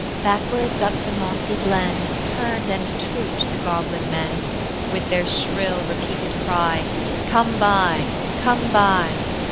Backwards up the mossy glen Turned and trooped the goblin men, With their shrill repeated cry, "Come buy, come buy."